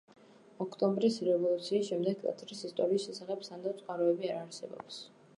ოქტომბრის რევოლუციის შემდეგი ტაძრის ისტორიის შესახებ სანდო წყაროები არ არსებობს.